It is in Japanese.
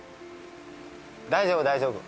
大丈夫大丈夫。